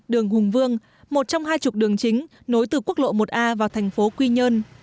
đường hùng vương một trong hai chục đường chính nối từ quốc lộ một a vào thành phố quy nhơn